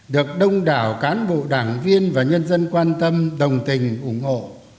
được đông đảo cán bộ đảng viên và nhân dân quan tâm đồng tình ủng hộ